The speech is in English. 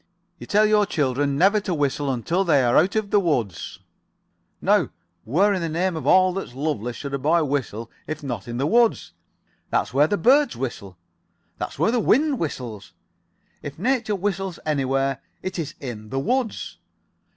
You tell your children never to whistle until they are out of the woods. Now, where in the name of all that's lovely should a boy whistle if not in the woods? That's where birds whistle. That's where the wind whistles. If nature whistles anywhere, it is in the woods.